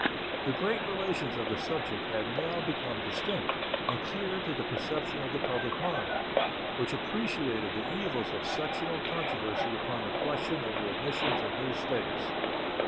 The great relations of the subject had now become distinct and clear to the perception of the public mind, which appreciated the evils of sectional controversy upon the question of the admission of new States.